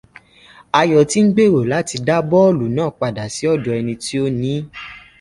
Ayọ̀ ti ń gbèrò láti dá bọ́ọ̀lù náà padà sí ọ̀dọ̀ ẹni tó nií.